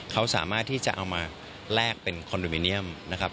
เขาสามารถที่จะเอามาแลกเป็นคอนโดมิเนียมนะครับ